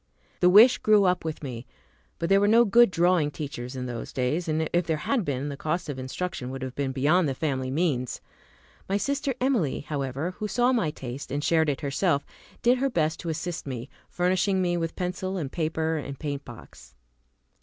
The wish grew up with me; but there were no good drawing teachers in those days, and if there had been, the cost of instruction would have been beyond the family means. My sister Emilie, however, who saw my taste and shared it herself, did her best to assist me, furnishing me with pencil and paper and paint box.